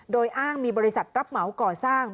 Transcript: โดยอ้างมีบริษัทรับเหมาก่อสร้าง